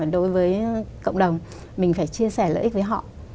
đối với cộng đồng mình phải chia sẻ lợi ích với họ